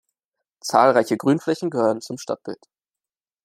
Zahlreiche Grünflächen gehören zum Stadtbild.